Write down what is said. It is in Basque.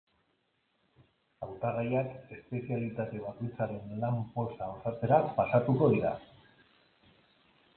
Hautagaiak espezialitate bakoitzaren lan-poltsa osatzera pasatuko dira.